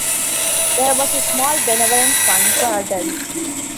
There was a small benevolent fund for adults.